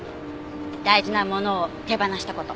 大事なものを手放した事。